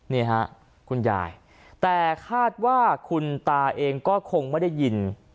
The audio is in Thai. นี่ฮะคุณยายแต่คาดว่าคุณตาเองก็คงไม่ได้ยิน